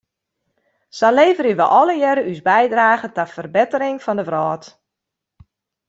Sa leverje wij allegearre ús bydrage ta ferbettering fan de wrâld.